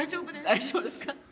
大丈夫です。